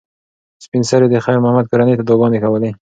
سپین سرې د خیر محمد کورنۍ ته دعاګانې کولې.